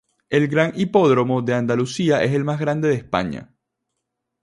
El Gran Hipódromo de Andalucía es el más grande de España.